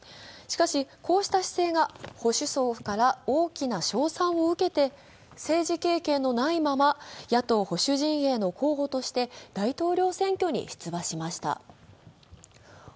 しかし、こうした姿勢が保守層から大きな称賛を受けて政治経験のないまま、野党保守陣営の候補として大統領選挙に出馬しました。